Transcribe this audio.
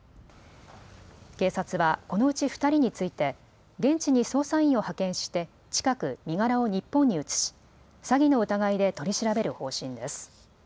警察はこのうち２人について現地に捜査員を派遣して近く身柄を日本に移し、詐欺の疑いで取り調べる方針です。